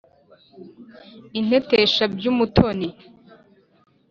intetesha by'umutoni